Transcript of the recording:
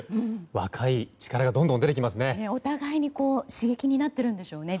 若い力がどんどんお互いに刺激になってるんでしょうね